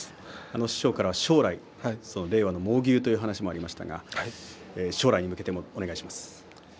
師匠からは将来、令和の猛牛という話がありましたが将来に向けてもお願いします。